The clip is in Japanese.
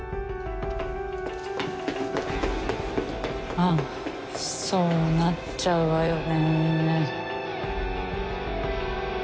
ああそうなっちゃうわよね。